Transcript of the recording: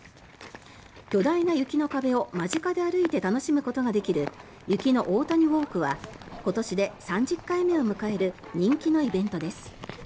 巨大な雪の壁を間近で歩いて楽しむことができる雪の大谷ウォークは今年で３０回目を迎える人気のイベントです。